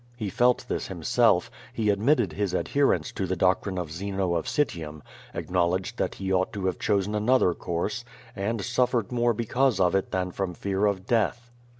He felt this him self; he admitted his adherence to the doctrine of Zeno of Citium; acknowledged that he ought to have chosen another course — ^and suffered more because of it than from fear of death.